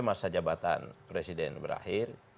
masa jabatan presiden berakhir